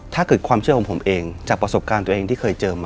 ถ้าเกิดความเชื่อของผมเองจากประสบการณ์ตัวเองที่เคยเจอมา